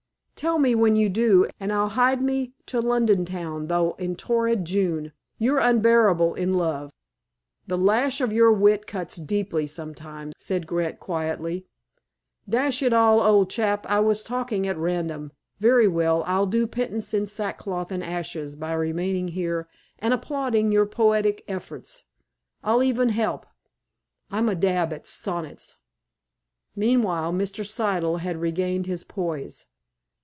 "Tell me when you do, and I'll hie me to London town, though in torrid June. You're unbearable in love." "The lash of your wit cuts deeply sometimes," said Grant quietly. "Dash it all, old chap, I was talking at random. Very well. I'll do penance in sackcloth and ashes by remaining here, and applauding your poetic efforts. I'll even help. I'm a dab at sonnets." Meanwhile, Mr. Siddle had regained his poise.